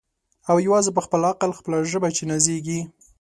او یوازي په خپل عقل خپله ژبه چي نازیږي